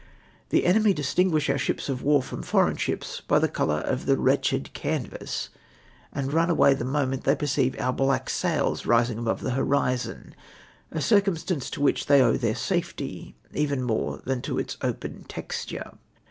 The enemy distinguish our ships of war from foreign ships by the colour of the wretched canvass, and run away the moment they perceive our black sails rising above the horizon, a circumstance to which they owe their safety, even more than to its open texture.